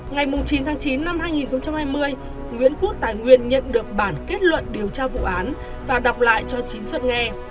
ngày chín tháng chín năm hai nghìn hai mươi nguyễn quốc tài nguyên nhận được bản kết luận điều tra vụ án và đọc lại cho trí xuất nghe